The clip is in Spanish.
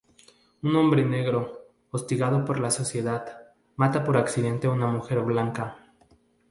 Un hombre negro, hostigado por la sociedad, mata por accidente a una mujer blanca.